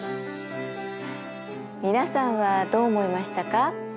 皆さんはどう思いましたか？